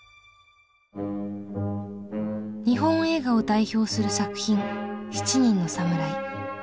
日本映画を代表する作品「七人の侍」。